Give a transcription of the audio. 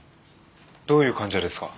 どういう患者ですか？